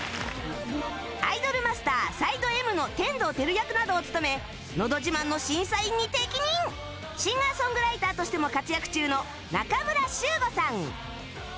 『アイドルマスター ＳｉｄｅＭ』の天道輝役などを務めのど自慢の審査員に適任シンガーソングライターとしても活躍中の仲村宗悟さん